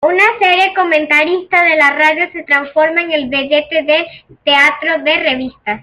Una seria comentarista de la radio se transforma en vedette del teatro de revistas.